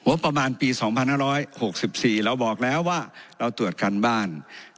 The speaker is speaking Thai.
ประมาณปี๒๕๖๔เราบอกแล้วว่าเราตรวจการบ้าน